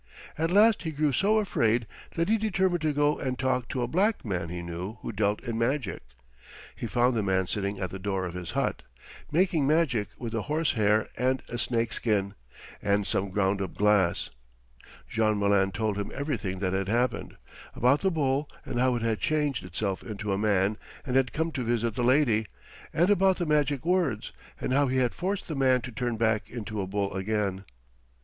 At last he grew so afraid that he determined to go and talk to a black man he knew who dealt in magic. He found the man sitting at the door of his hut, making magic with a horsehair and a snakeskin, and some ground up glass. Jean Malin, told him everything that had happened, about the bull, and how it had changed itself into a man and had come to visit the lady, and about the magic words, and how he had forced the man to turn back into a bull again.